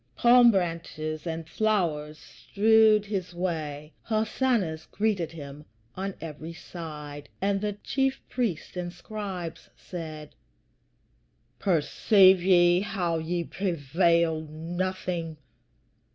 Palm branches and flowers strewed his way, hosannas greeted him on every side, and the chief priests and Scribes said, "Perceive ye how ye prevail nothing?